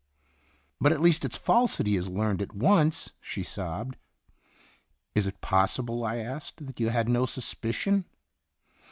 "But at least its falsity is learned at once," she sobbed. "Is it possible," I asked, "that you had no suspicion